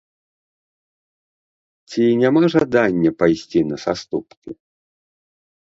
Ці няма жадання пайсці на саступкі?